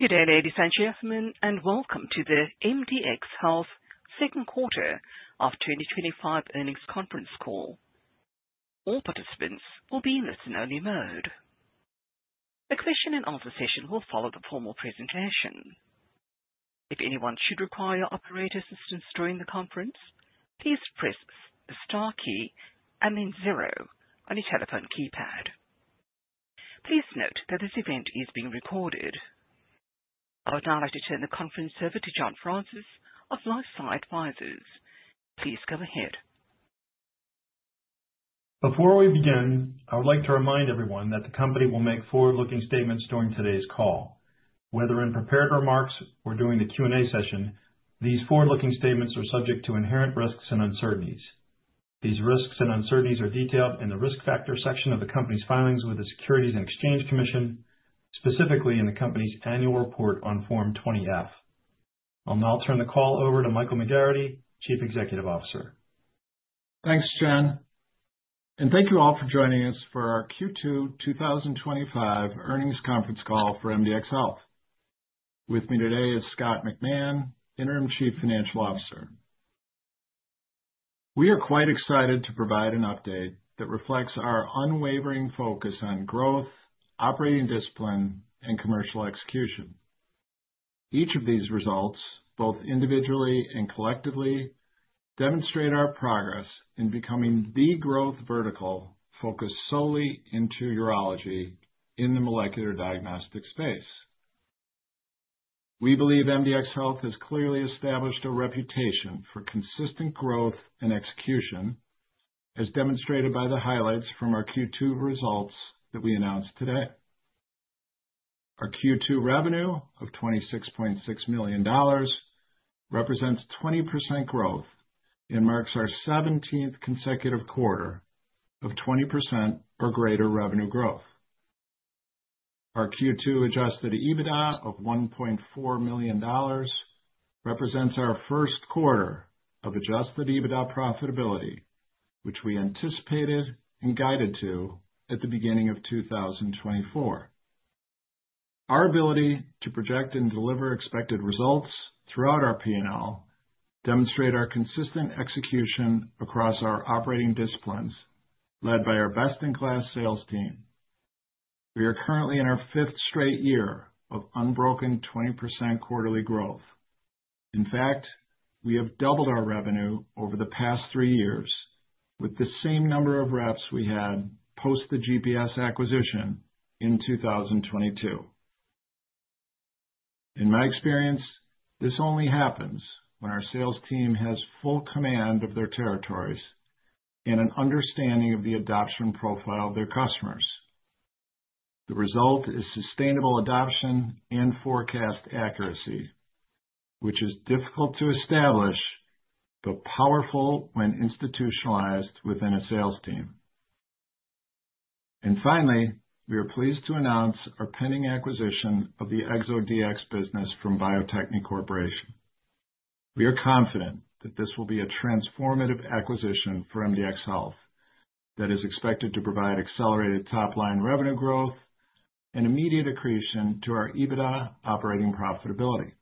Good day, ladies and gentlemen, and welcome to the MDxHealth Second Quarter of 2025 Earnings Conference Call. All participants will be in listen-only mode. The question and answer session will follow the formal presentation. If anyone should require operator assistance during the conference, please press the star key and then zero on your telephone keypad. Please note that this event is being recorded. I would now like to turn the conference over to John Fraunces of LifeSci Advisors. Please go ahead. Before we begin, I would like to remind everyone that the company will make forward-looking statements during today's call. Whether in prepared remarks or during the Q&A session, these forward-looking statements are subject to inherent risks and uncertainties. These risks and uncertainties are detailed in the risk factor section of the company's filings with the Securities and Exchange Commission, specifically in the company's annual report on Form 20-F. I'll now turn the call over to Michael McGarrity, Chief Executive Officer. Thanks, John. Thank you all for joining us for our Q2 2025 Earnings Conference Call for MDxHealth. With me today is Scott McMahan, Interim Chief Financial Officer. We are quite excited to provide an update that reflects our unwavering focus on growth, operating discipline, and commercial execution. Each of these results, both individually and collectively, demonstrate our progress in becoming the growth vertical focused solely into urology in the molecular diagnostic space. We believe MDxHealth has clearly established a reputation for consistent growth and execution, as demonstrated by the highlights from our Q2 results that we announced today. Our Q2 revenue of $26.6 million represents 20% growth and marks our 17th consecutive quarter of 20% or greater revenue growth. Our Q2 adjusted EBITDA of $1.4 million represents our first quarter of adjusted EBITDA profitability, which we anticipated and guided to at the beginning of 2024. Our ability to project and deliver expected results throughout our P&L demonstrates our consistent execution across our operating disciplines, led by our best-in-class sales team. We are currently in our fifth straight year of unbroken 20% quarterly growth. In fact, we have doubled our revenue over the past three years, with the same number of reps we had post the GPS test acquisition in 2022. In my experience, this only happens when our sales team has full command of their territories and an understanding of the adoption profile of their customers. The result is sustainable adoption and forecast accuracy, which is difficult to establish but powerful when institutionalized within a sales team. Finally, we are pleased to announce our pending acquisition of the ExoDx business from Bio-Techne Corporation. We are confident that this will be a transformative acquisition for MDxHealth that is expected to provide accelerated top-line revenue growth and immediate accretion to our EBITDA operating profitability.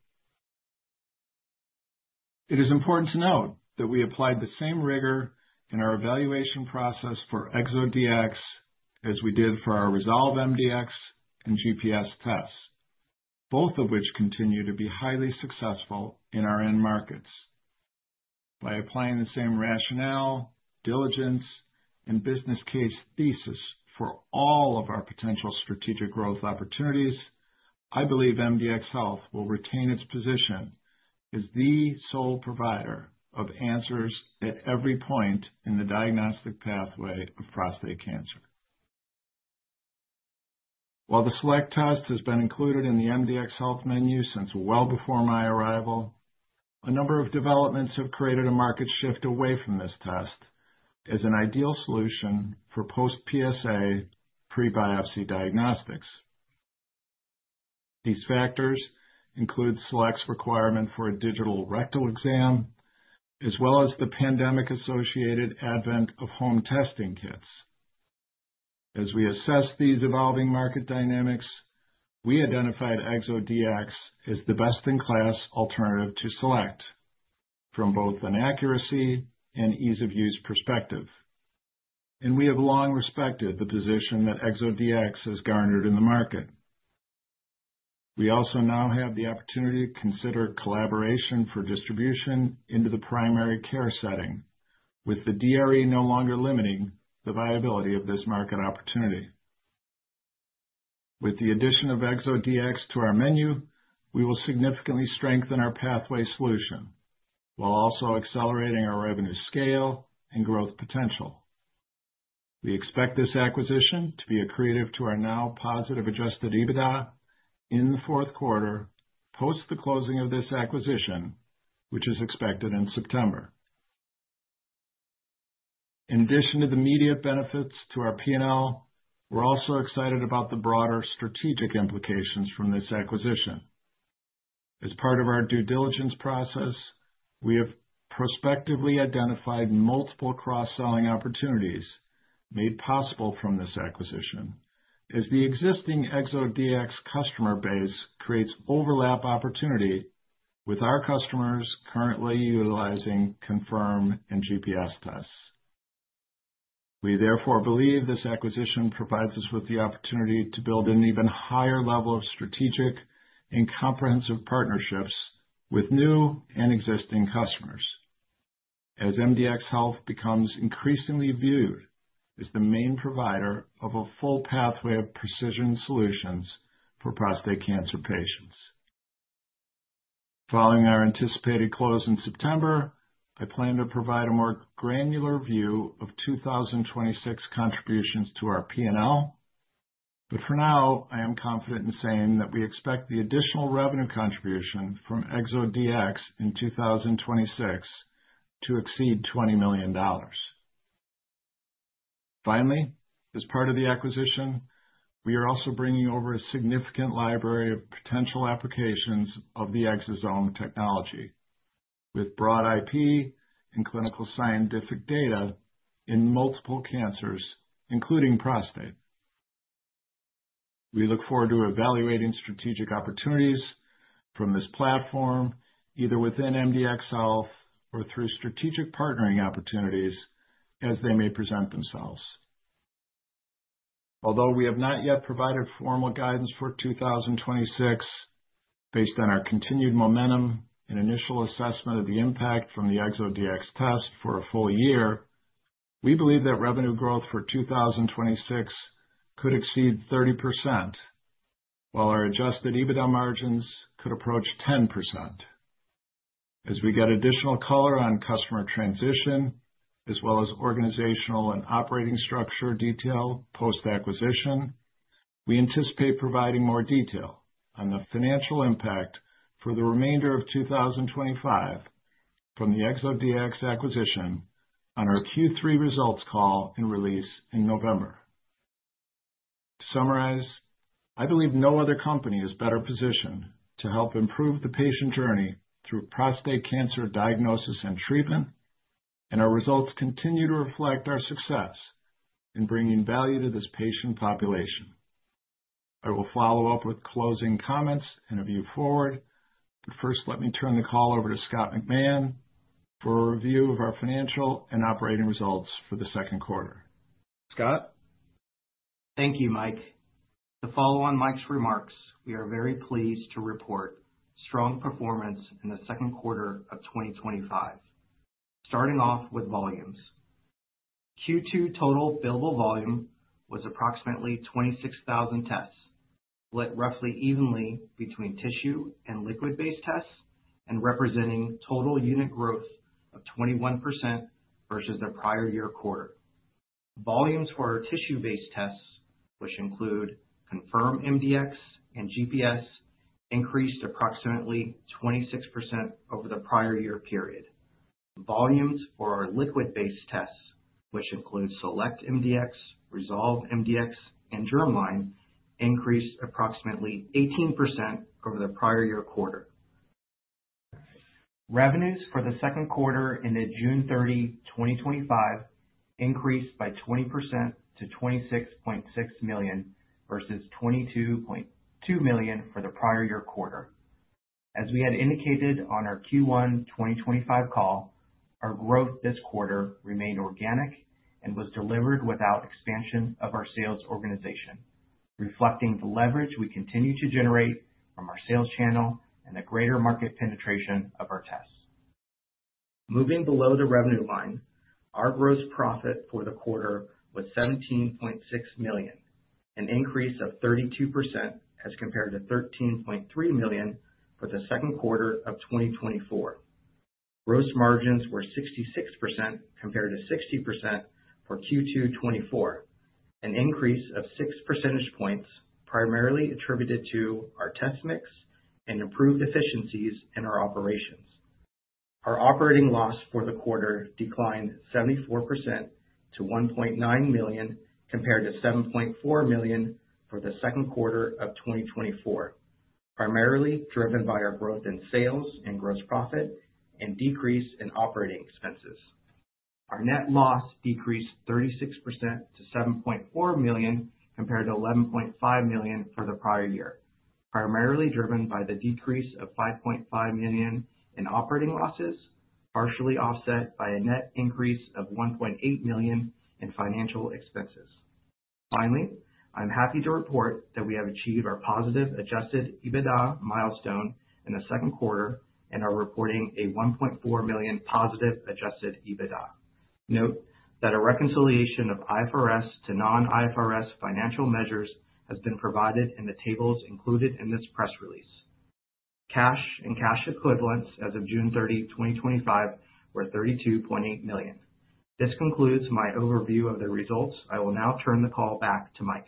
It is important to note that we applied the same rigor in our evaluation process for ExoDx as we did for our Resolve MDx and GPS test, both of which continue to be highly successful in our end markets. By applying the same rationale, diligence, and business case thesis for all of our potential strategic growth opportunities, I believe MDxHealth will retain its position as the sole provider of answers at every point in the diagnostic pathway of prostate cancer. While the Select test has been included in the MDxHealth menu since well before my arrival, a number of developments have created a market shift away from this test as an ideal solution for post-PSA pre-biopsy diagnostics. These factors include Select's requirement for a digital rectal exam, as well as the pandemic-associated advent of home testing kits. As we assess these evolving market dynamics, we identified ExoDx as the best-in-class alternative to Select from both an accuracy and ease-of-use perspective. We have long respected the position that ExoDx has garnered in the market. We also now have the opportunity to consider collaboration for distribution into the primary care setting, with the DRE no longer limiting the viability of this market opportunity. With the addition of ExoDx to our menu, we will significantly strengthen our pathway solution while also accelerating our revenue scale and growth potential. We expect this acquisition to be accretive to our now positive adjusted EBITDA in the fourth quarter post the closing of this acquisition, which is expected in September. In addition to the immediate benefits to our P&L, we're also excited about the broader strategic implications from this acquisition. As part of our due diligence process, we have prospectively identified multiple cross-selling opportunities made possible from this acquisition, as the existing ExoDx customer base creates overlap opportunity with our customers currently utilizing Confirm and GPS tests. We therefore believe this acquisition provides us with the opportunity to build an even higher level of strategic and comprehensive partnerships with new and existing customers, as MDxHealth becomes increasingly viewed as the main provider of a full pathway of precision solutions for prostate cancer patients. Following our anticipated close in September, I plan to provide a more granular view of 2026 contributions to our P&L. For now, I am confident in saying that we expect the additional revenue contribution from ExoDx in 2026 to exceed $20 million. Finally, as part of the acquisition, we are also bringing over a significant library of potential applications of the Exosome technology, with broad IP and clinical scientific data in multiple cancers, including prostate. We look forward to evaluating strategic opportunities from this platform, either within MDxHealth or through strategic partnering opportunities as they may present themselves. Although we have not yet provided formal guidance for 2026, based on our continued momentum and initial assessment of the impact from the ExoDx test for a full year, we believe that revenue growth for 2026 could exceed 30%, while our adjusted EBITDA margins could approach 10%. As we get additional color on customer transition, as well as organizational and operating structure detail post-acquisition, we anticipate providing more detail on the financial impact for the remainder of 2025 from the ExoDx acquisition on our Q3 results call and release in November. To summarize, I believe no other company is better positioned to help improve the patient journey through prostate cancer diagnosis and treatment, and our results continue to reflect our success in bringing value to this patient population. I will follow up with closing comments and a view forward. split roughly evenly between tissue and liquid-based tests, and representing total unit growth of 21% versus the prior year quarter. Volumes for our tissue-based tests, which include Confirm MDx and GPS, increased approximately 26% over the prior year period. Volumes for our liquid-based tests, which include Select MDx, Resolve MDx, and germline, increased approximately 18% over the prior year quarter. Revenues for the second quarter ended June 30, 2025 increased by 20% to $26.6 million versus $22.2 million for the prior year quarter. As we had indicated on our Q1 2025 call, our growth this quarter remained organic and was delivered without expansion of our sales organization, reflecting the leverage we continue to generate from our sales channel and the greater market penetration of our tests. Moving below the revenue line, our gross profit for the quarter was $17.6 million, an increase of 32% as compared to $13.3 million for the second quarter of 2024. Gross margins were 66% compared to 60% for Q2 2024, an increase of six percentage points primarily attributed to our test mix and improved efficiencies in our operations. Our operating loss for the quarter declined 74% to $1.9 million compared to $7.4 million for the second quarter of 2024, primarily driven by our growth in sales and gross profit and decrease in operating expenses. Our net loss decreased 36% to $7.4 million compared to $11.5 million for the prior year, primarily driven by the decrease of $5.5 million in operating losses, partially offset by a net increase of $1.8 million in financial expenses. Finally, I'm happy to report that we have achieved our positive adjusted EBITDA milestone in the second quarter and are reporting a $1.4 million positive adjusted EBITDA. Note that a reconciliation of IFRS to non-IFRS financial measures has been provided in the tables included in this press release. Cash and cash equivalents as of June 30, 2025 were $32.8 million. This concludes my overview of the results. I will now turn the call back to Mike.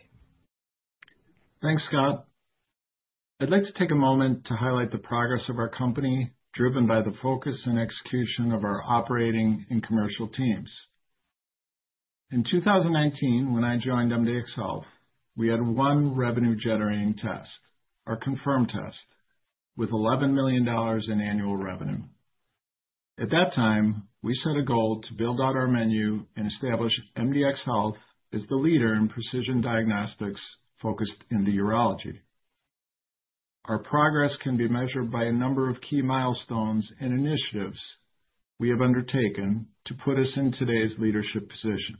Thanks, Scott. I'd like to take a moment to highlight the progress of our company, driven by the focus and execution of our operating and commercial teams. In 2019, when I joined MDxHealth, we had one revenue-generating test, our Confirm test, with $11 million in annual revenue. At that time, we set a goal to build out our menu and establish MDxHealth as the leader in precision diagnostics focused in urology. Our progress can be measured by a number of key milestones and initiatives we have undertaken to put us in today's leadership position.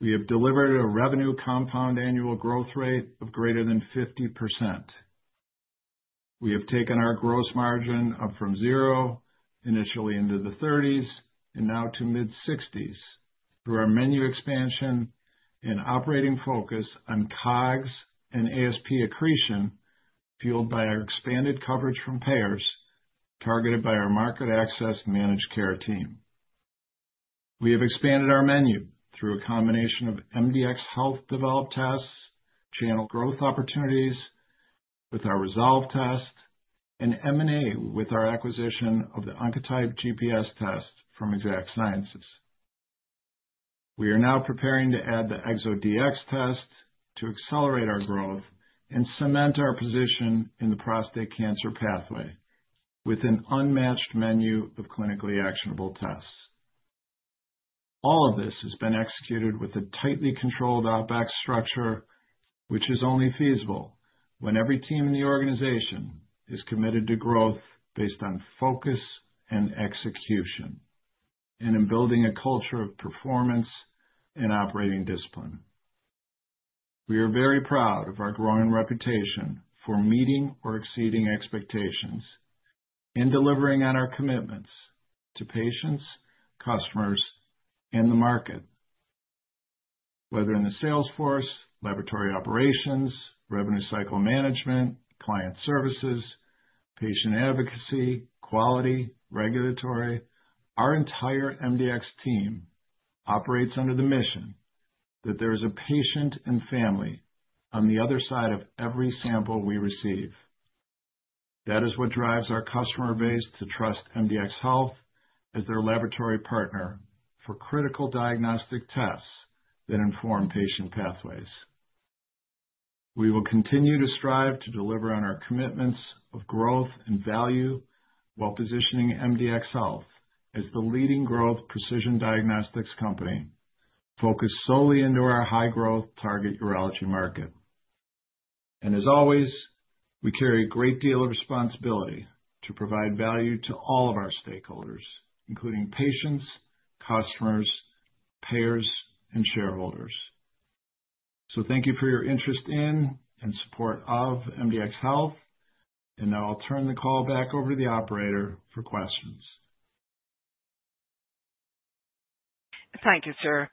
We have delivered a revenue compound annual growth rate of greater than 50%. We have taken our gross margin up from zero, initially into the 30s, and now to mid-60s through our menu expansion and operating focus on COGS and ASP accretion, fueled by our expanded coverage from payers targeted by our market access managed care team. We have expanded our menu through a combination of MDxHealth developed tests, channel growth opportunities with our Resolve test, and M&A with our acquisition of the Oncotype GPS test from Exact Sciences. We are now preparing to add the ExoDx test to accelerate our growth and cement our position in the prostate cancer pathway with an unmatched menu of clinically actionable tests. All of this has been executed with a tightly controlled operating expenses structure, which is only feasible when every team in the organization is committed to growth based on focus and execution and in building a culture of performance and operating discipline. We are very proud of our growing reputation for meeting or exceeding expectations and delivering on our commitments to patients, customers, and the market. Whether in the sales force, laboratory operations, revenue cycle management, client services, patient advocacy, quality, regulatory, our entire MDx team operates under the mission that there is a patient and family on the other side of every sample we receive. That is what drives our customer base to trust MDxHealth as their laboratory partner for critical diagnostic tests that inform patient pathways. We will continue to strive to deliver on our commitments of growth and value while positioning MDxHealth as the leading growth precision diagnostics company, focused solely into our high-growth target urology market. We carry a great deal of responsibility to provide value to all of our stakeholders, including patients, customers, payers, and shareholders. Thank you for your interest in and support of MDxHealth. I'll turn the call back over to the operator for questions. Thank you, sir.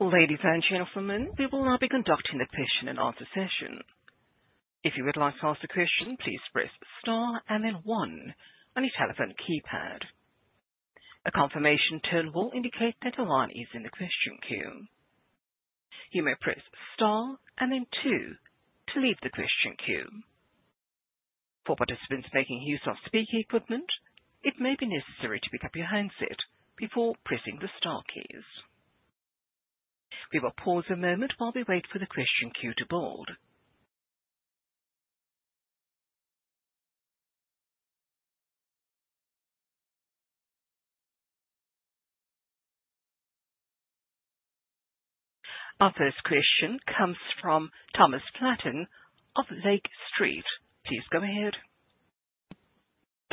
Ladies and gentlemen, we will now be conducting the question and answer session. If you would like to ask a question, please press star and then one on your telephone keypad. A confirmation tone will indicate that a line is in the question queue. You may press star and then two to leave the question queue. For participants making use of speaker equipment, it may be necessary to pick up your handset before pressing the star keys. We will pause a moment while we wait for the question queue to board. Our first question comes from Thomas Flaten of Lake Street. Please go ahead.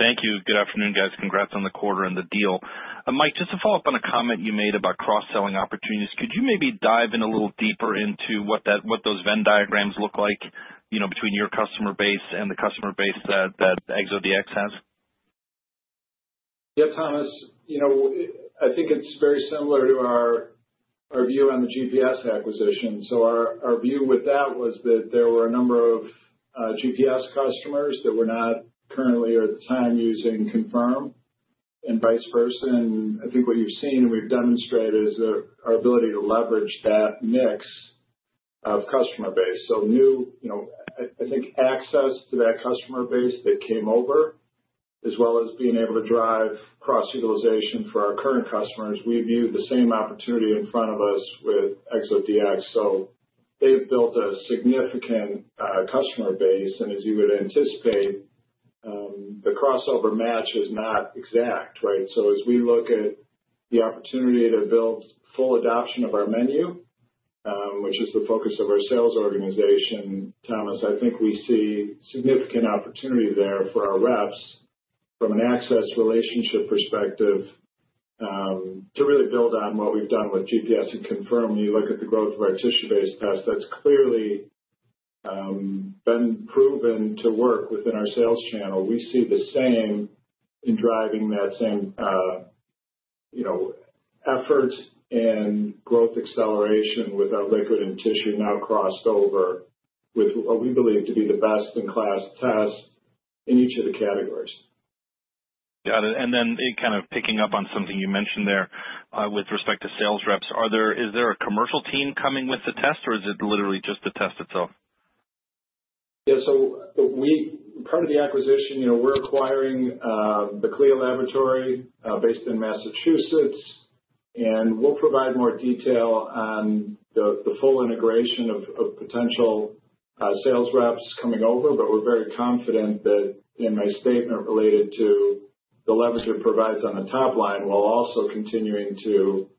Thank you. Good afternoon, guys. Congrats on the quarter and the deal. Mike, just to follow up on a comment you made about cross-selling opportunities, could you maybe dive in a little deeper into what those Venn diagrams look like, you know, between your customer base and the customer base that ExoDx has? Yeah, Thomas, I think it's very similar to our view on the GPS acquisition. Our view with that was that there were a number of GPS customers that were not currently or at the time using Confirm and vice versa. I think what you've seen and we've demonstrated is our ability to leverage that mix of customer base. New access to that customer base that came over, as well as being able to drive cross-utilization for our current customers, we viewed the same opportunity in front of us with ExoDx. They've built a significant customer base. As you would anticipate, the crossover match is not exact, right? As we look at the opportunity to build full adoption of our menu, which is the focus of our sales organization, Thomas, I think we see significant opportunity there for our reps from an access relationship perspective, to really build on what we've done with GPS and Confirm. You look at the growth of our tissue-based test. That's clearly been proven to work within our sales channel. We see the same in driving that same effort and growth acceleration with our liquid and tissue now crossed over with what we believe to be the best-in-class test in each of the categories. Got it. Kind of picking up on something you mentioned there, with respect to sales reps, are there, is there a commercial team coming with the test, or is it literally just the test itself? Yeah, so as part of the acquisition, you know, we're acquiring the CLIA laboratory, based in Massachusetts, and we'll provide more detail on the full integration of potential sales reps coming over. We're very confident that in my statement related to the leverage it provides on the top line, we'll also continue to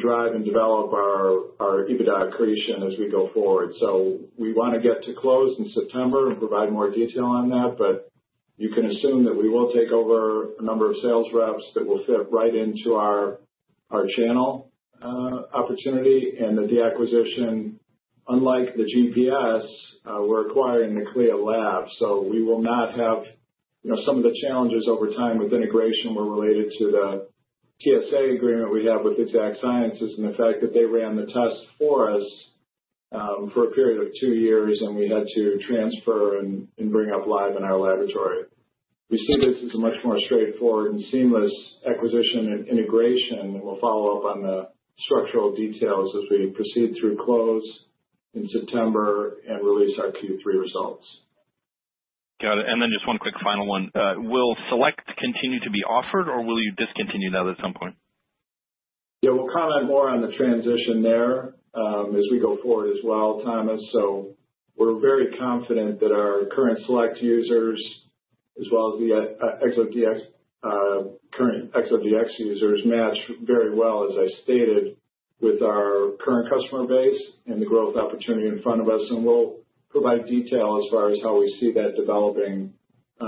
drive and develop our EBITDA accretion as we go forward. We want to get to close in September and provide more detail on that. You can assume that we will take over a number of sales reps that will fit right into our channel opportunity. The acquisition, unlike the GPS test, we're acquiring the CLIA laboratory. We will not have, you know, some of the challenges over time with integration that were related to the TSA agreement we have with Exact Sciences and the fact that they ran the test for us for a period of two years and we had to transfer and bring up live in our laboratory. We see this as a much more straightforward and seamless acquisition and integration, and we'll follow up on the structural details as we proceed through close in September and release our Q3 results. Got it. Just one quick final one. Will Select continue to be offered, or will you discontinue that at some point? We'll comment more on the transition there as we go forward as well, Thomas. We are very confident that our current Select users, as well as the current ExoDx users, match very well, as I stated, with our current customer base and the growth opportunity in front of us. We'll provide detail as far as how we see that developing,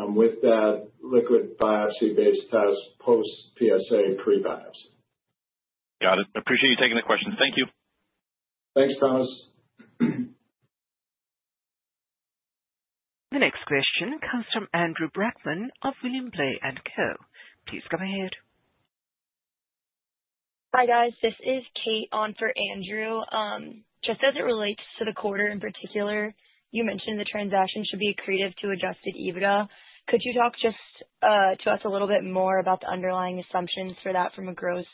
with that liquid biopsy-based test post-PSA and pre-biopsy. Got it. Appreciate you taking the questions. Thank you. Thanks, Thomas. The next question comes from Andrew Brackmann of William Blair & Co. Please go ahead. Hi, guys. This is Kate on for Andrew. Just as it relates to the quarter in particular, you mentioned the transaction should be accretive to adjusted EBITDA. Could you talk to us a little bit more about the underlying assumptions for that from a gross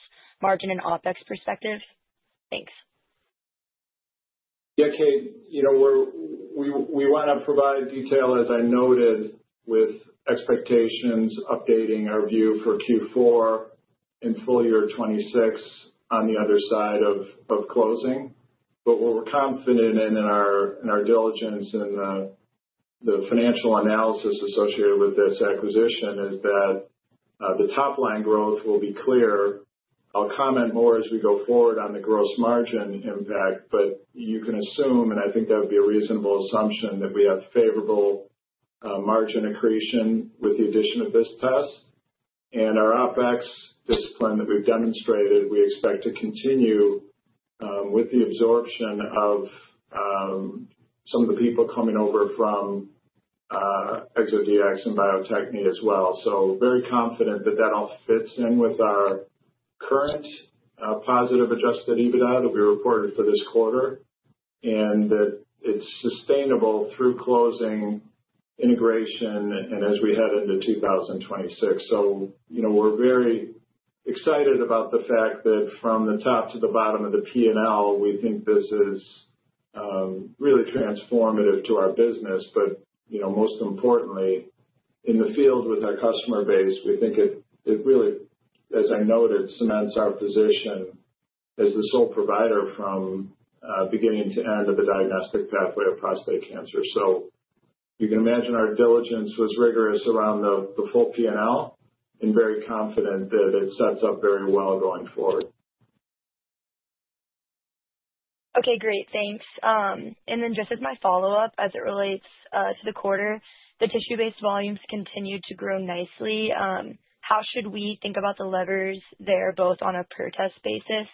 margin and OpEx perspective? Thanks. Yeah, Kate, we want to provide detail, as I noted, with expectations updating our view for Q4 and full year 2026 on the other side of closing. What we're confident in, in our diligence and the financial analysis associated with this acquisition, is that the top-line growth will be clear. I'll comment more as we go forward on the gross margin impact. You can assume, and I think that would be a reasonable assumption, that we have favorable margin accretion with the addition of this test. Our OpEx discipline that we've demonstrated, we expect to continue with the absorption of some of the people coming over from ExoDx and Bio-Techne as well. Very confident that all fits in with our current positive adjusted EBITDA that we reported for this quarter and that it's sustainable through closing integration and as we head into 2026. We're very excited about the fact that from the top to the bottom of the P&L, we think this is really transformative to our business. Most importantly, in the field with our customer base, we think it really, as I noted, cements our position as the sole provider from beginning to end of the diagnostic pathway of prostate cancer. You can imagine our diligence was rigorous around the full P&L and very confident that it sets up very well going forward. Okay, great. Thanks. Just as my follow-up, as it relates to the quarter, the tissue-based volumes continue to grow nicely. How should we think about the levers there both on a per-test basis,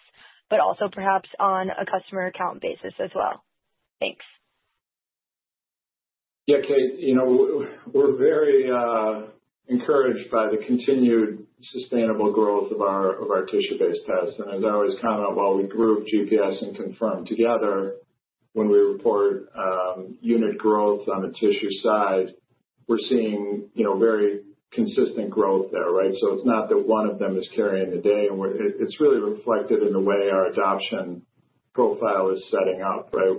but also perhaps on a customer account basis as well? Thanks. Yeah, Kate, you know, we're very encouraged by the continued sustainable growth of our tissue-based tests. As I always comment, while we group GPS and Confirm together when we report unit growth on the tissue side, we're seeing very consistent growth there, right? It's not that one of them is carrying the day. It's really reflected in the way our adoption profile is setting up, right?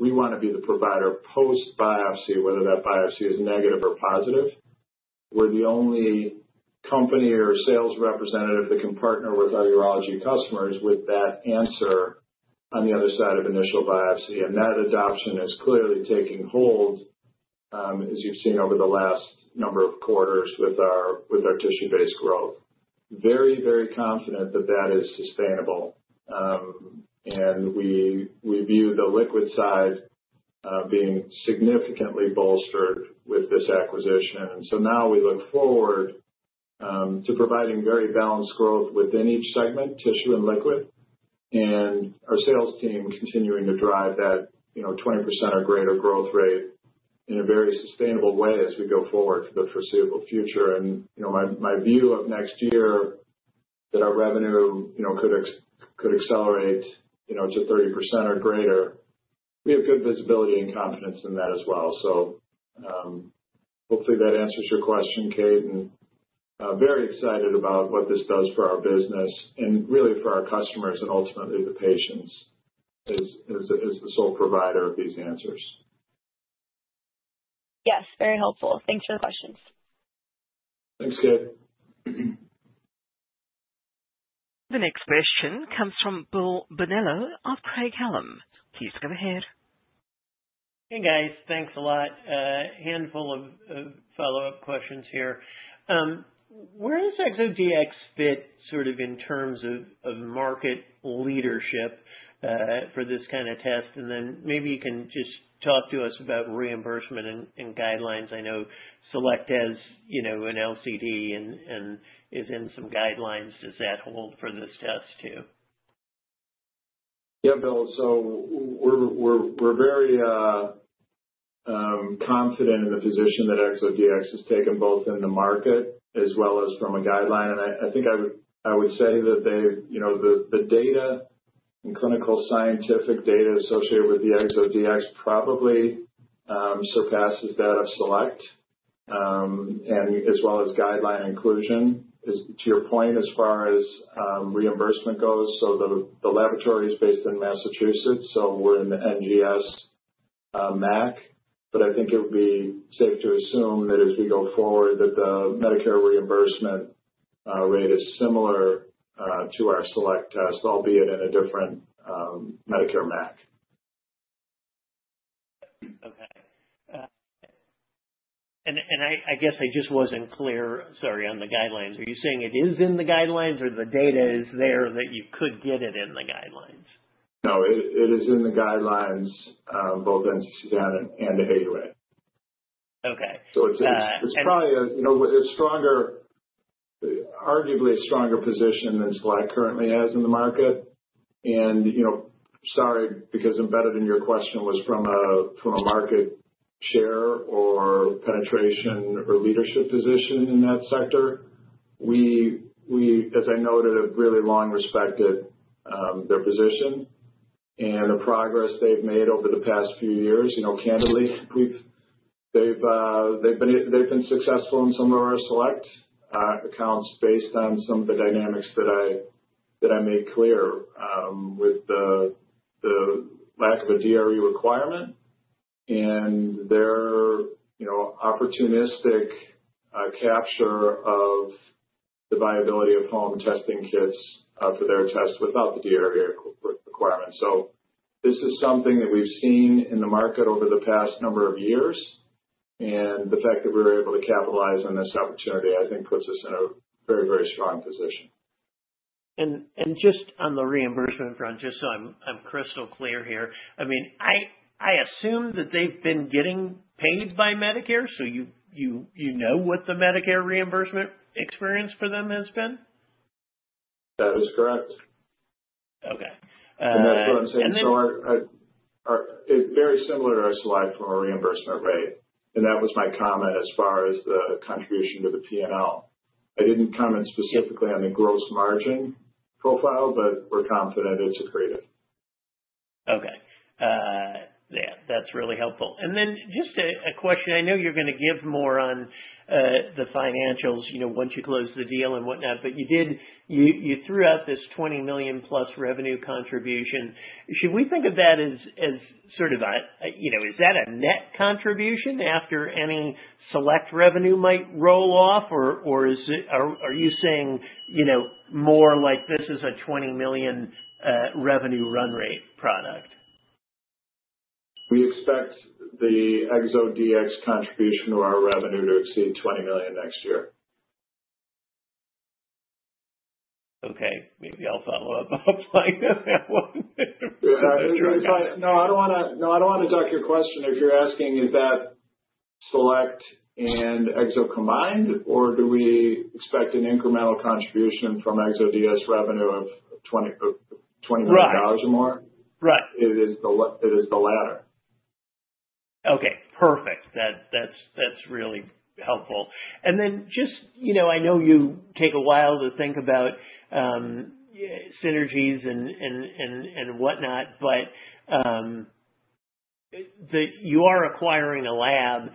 We want to be the provider post-biopsy, whether that biopsy is negative or positive. We're the only company or sales representative that can partner with our urology customers with that answer on the other side of initial biopsy. That adoption is clearly taking hold, as you've seen over the last number of quarters with our tissue-based growth. Very, very confident that that is sustainable. We view the liquid side being significantly bolstered with this acquisition. Now we look forward to providing very balanced growth within each segment, tissue and liquid, and our sales team continuing to drive that 20% or greater growth rate in a very sustainable way as we go forward to the foreseeable future. My view of next year is that our revenue could accelerate to 30% or greater. We have good visibility and confidence in that as well. Hopefully, that answers your question, Kate. Very excited about what this does for our business and really for our customers and ultimately the patients as the sole provider of these answers. Yes, very helpful. Thanks for the questions. The next question comes from Bill Bonello of Craig-Hallum. Please go ahead. Hey, guys. Thanks a lot. A handful of follow-up questions here. Where does ExoDx fit in terms of market leadership for this kind of test? Maybe you can just talk to us about reimbursement and guidelines. I know Select has, you know, an LCD and is in some guidelines. Does that hold for this test too? Yeah, Bill. We're very confident in the position that ExoDx has taken both in the market as well as from a guideline. I think I would say that the data and clinical scientific data associated with the ExoDx probably surpasses that of Select, and as well as guideline inclusion. To your point, as far as reimbursement goes, the laboratory is based in Massachusetts. We're in the NDS MAC, but I think it would be safe to assume that as we go forward the Medicare reimbursement rate is similar to our Select test, albeit in a different Medicare MAC. Okay. I guess I just wasn't clear, sorry, on the guidelines. Are you saying it is in the guidelines, or the data is there that you could get it in the guidelines? No, it is in the guidelines, both in NCCN and AUA. Okay. It's probably a, you know, with a stronger, arguably a stronger position than Select currently has in the market. You know, sorry, because embedded in your question was from a market share or penetration or leadership position in that sector. We, as I noted, have really long respected their position and the progress they've made over the past few years. You know, candidly, they've been successful in some of our Select accounts based on some of the dynamics that I made clear, with the lack of a DRE requirement and their opportunistic capture of the viability of home testing kits for their tests without the DRE requirement. This is something that we've seen in the market over the past number of years. The fact that we were able to capitalize on this opportunity, I think, puts us in a very, very strong position. Just on the reimbursement front, just so I'm crystal clear here, I mean, I assume that they've been getting paid by Medicare. You know what the Medicare reimbursement experience for them has been? That is correct. Okay. That's what I'm saying. Our it's very similar to our Select from a reimbursement rate, and that was my comment as far as the contribution to the P&L. I didn't comment specifically on the gross margin profile, but we're confident it's accretive. Okay, yeah, that's really helpful. Just a question. I know you're going to give more on the financials once you close the deal and whatnot. You threw out this $20 million-plus revenue contribution. Should we think of that as sort of a net contribution after any Select revenue might roll off, or are you saying more like this is a $20 million revenue run rate product? We expect the ExoDx contribution to our revenue to exceed $20 million next year. Okay. Maybe I'll follow up. I'll find out that one. No, I don't want to direct your question. If you're asking, is that Select and Exo combined, or do we expect an incremental contribution from ExoDx revenue of $20 million or more? Right. It is the latter. Okay. Perfect. That's really helpful. Just, you know, I know you take a while to think about synergies and whatnot, but that you are acquiring a lab.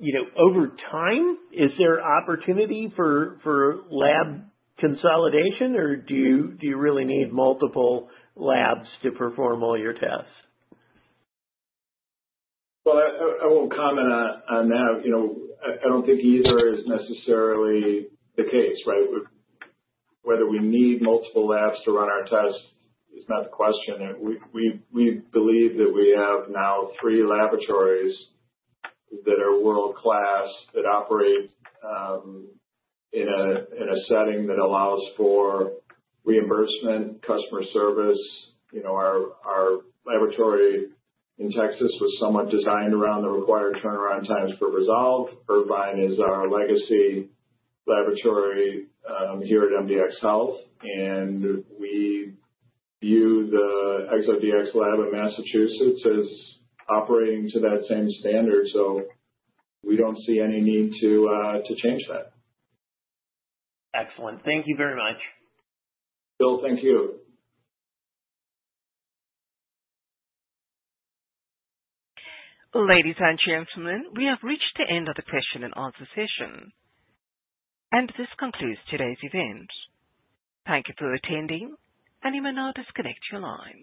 You know, over time, is there opportunity for lab consolidation, or do you really need multiple labs to perform all your tests? I won't comment on that. I don't think either is necessarily the case, right? Whether we need multiple labs to run our tests is not the question. We believe that we have now three laboratories that are world-class, that operate in a setting that allows for reimbursement and customer service. Our laboratory in Texas was somewhat designed around the required turnaround times for Resolve. Irvine is our legacy laboratory here at MDxHealth, and we view the ExoDx lab in Massachusetts as operating to that same standard. We don't see any need to change that. Excellent. Thank you very much. Bill, thank you. Ladies and gentlemen, we have reached the end of the question and answer session. This concludes today's event. Thank you for attending, and you may now disconnect your line.